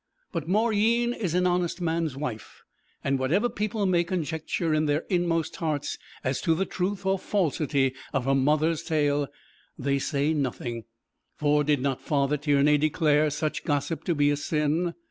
But Mauryeen is an honest man's wife, and whatever people may conjecture in their inmost hearts as to the truth or falsity of her mother's tale, they say nothing, for did not Father Tiernay declare such gossip to be a sin?